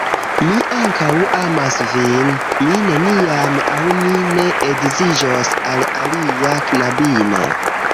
Mi ankaŭ amas vin. Mi neniam, aŭ mi ne edziĝos al alia knabino.